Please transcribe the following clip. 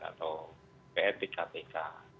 atau pit kpk